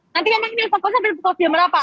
nanti yang paling di fokus adalah apa pak